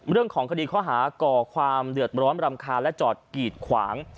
เรื่องของคดีข้อหาก่อความเดือดร้อนรำคาญและจอดกีดขวาง